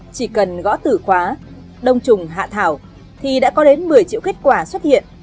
chỉ cần gõ tử khóa đông trùng hạ thảo thì đã có đến một mươi triệu kết quả xuất hiện